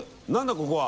ここは。